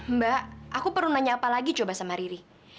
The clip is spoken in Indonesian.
mbak aku perlu nanya apa lagi coba sama riri